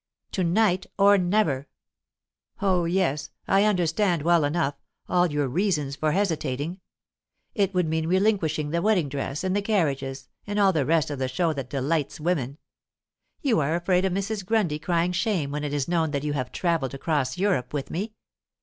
"To night, or never! Oh yes, I understand well enough, all your reasons for hesitating. It would mean relinquishing the wedding dress and the carriages and all the rest of the show that delights women. You are afraid of Mrs. Grundy crying shame when it is known that you have travelled across Europe with me.